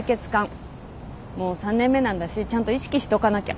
もう３年目なんだしちゃんと意識しとかなきゃ。